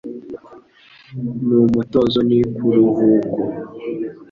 Nu mutuzo ni kiruhuko.